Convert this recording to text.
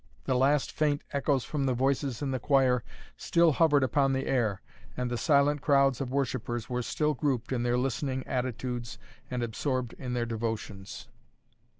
The last faint echoes from the voices in the choir still hovered upon the air, and the silent crowds of worshippers were still grouped in their listening attitudes and absorbed in their devotions.